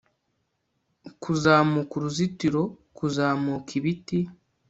Kuzamuka uruzitiro kuzamuka ibiti